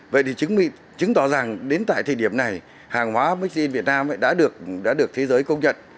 vậy thì chứng tỏ rằng đến tại thời điểm này hàng hóa mixed in việt nam đã được thế giới công nhận